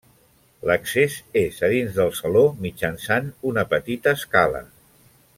L'accés és a dins del saló mitjançant una petita escala.